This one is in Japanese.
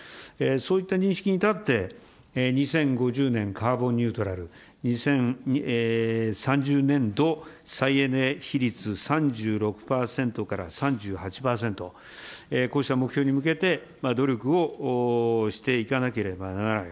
そういった認識に立って、２０５０年カーボンニュートラル、２０３０年度再エネ比率３６％から３８％、こうした目標に向けて、努力をしていかなければならない。